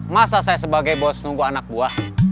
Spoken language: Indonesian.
masa saya sebagai bos nunggu anak buah